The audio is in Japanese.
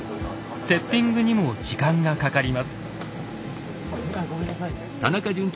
セッティングにも時間がかかります。